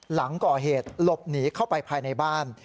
หลังก่อเหตุหลบหนีเข้าไปภายในบ้าน